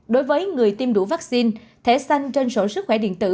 đối với người tiêm đủ vaccine thẻ xanh trên sổ sức khỏe điện tử